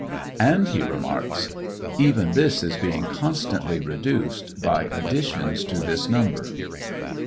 And he remarks : Even this is being constantly reduced by additions to this number.